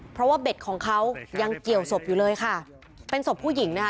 เพราะว่าเบ็ดของเขายังเกี่ยวศพอยู่เลยค่ะเป็นศพผู้หญิงนะคะ